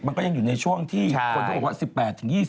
มันก็ยังอยู่ในช่วงที่คนเขาบอกว่า๑๘๒๐